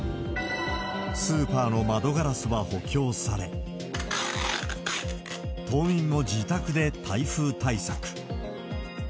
スーパーの窓ガラスは補強され、島民も自宅で台風対策。